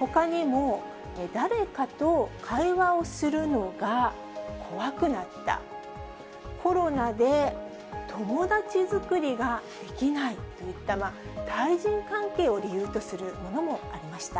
ほかにも、誰かと会話をするのが怖くなった、コロナで友達づくりができないといった、対人関係を理由とするものもありました。